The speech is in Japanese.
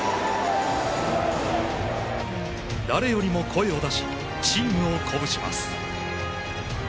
誰よりも声を出しチームを鼓舞します。